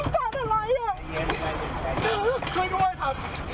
ข้างหลังข้างหลังไม่เข้าใจเขาต้องการอะไร